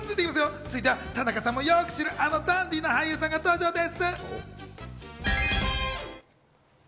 続いては田中さんもよく知る、あのダンディーな俳優さんが登場です。